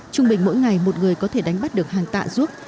trung bình mỗi ngày một người có thể đánh bắt được hàng tạ ruốc